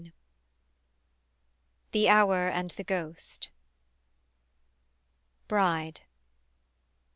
THE HOUR AND THE GHOST. BRIDE.